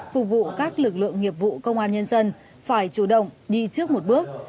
phục vụ các lực lượng nghiệp vụ công an nhân dân phải chủ động đi trước một bước